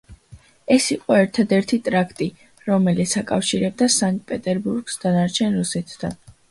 ეს იყო ერთადერთი ტრაქტი, რომელიც აკავშირებდა სანქტ-პეტერბურგს დანარჩენ რუსეთთან.